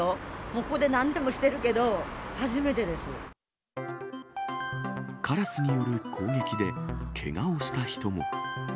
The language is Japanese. もうここで何年もしてるけど、カラスによる攻撃で、けがをした人も。